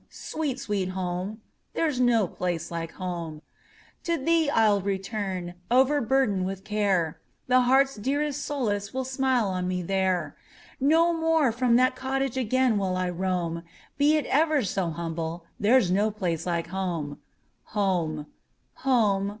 sweet, sweet home! There 's no place like home! To thee I 'll return, overburdened with care; The heart's dearest solace will smile on me there; No more from that cottage again will I roam; Be it ever so humble, there 's no place like home. Home! home!